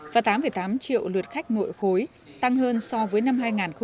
và tám tám triệu lượt khách nội khối tăng hơn so với năm hai nghìn một mươi tám